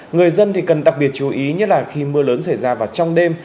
người dân thì cần đặc biệt chú ý nhất là khi mưa lớn xảy ra vào trong đêm